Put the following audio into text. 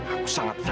aku sangat feral